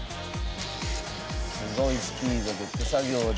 すごいスピードで手作業で。